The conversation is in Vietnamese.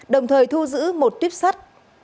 đồng thời thu giữ một tuyếp sắt